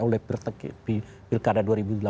oleh pertek pilkada